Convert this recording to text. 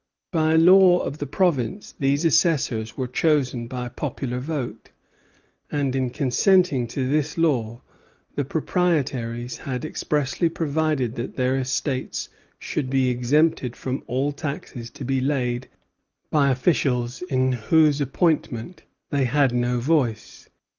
By a law of the province, these assessors were chosen by popular vote; and in consenting to this law, the proprietaries had expressly provided that their estates should be exempted from all taxes to be laid by officials in whose appointment they had no voice.